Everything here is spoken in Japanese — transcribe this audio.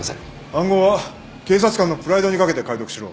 暗号は警察官のプライドに懸けて解読しろ。